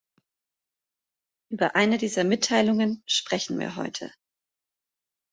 Über eine dieser Mitteilungen sprechen wir heute.